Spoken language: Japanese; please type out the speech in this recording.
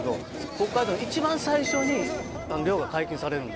北海道は一番最初に漁が解禁されるんですよ。